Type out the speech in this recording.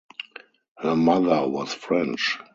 Her mother was French.